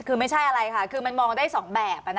คือไม่ใช่อะไรค่ะคือมันมองได้๒แบบ